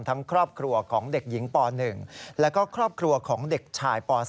ครอบครัวของเด็กหญิงป๑แล้วก็ครอบครัวของเด็กชายป๓